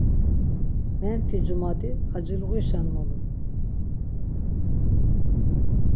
Menti cumadi xaciluğişen mulun.